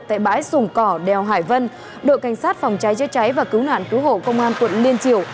tại bãi sùng cỏ đèo hải vân đội cảnh sát phòng cháy chế cháy và cứu nạn cứu hộ công an quận liên triều